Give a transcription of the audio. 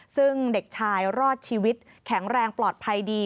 ซึ่งเด็กชายรอดชีวิตแข็งแรงปลอดภัยดี